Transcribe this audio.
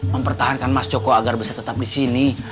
mempertahankan mas joko agar bisa tetap disini